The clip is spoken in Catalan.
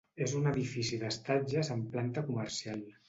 És un edifici d'estatges amb planta comercial.